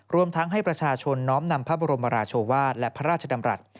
รวมทั้งให้ประชาชนน้อมนำพระบรมราชวาสและพระราชดำรัฐ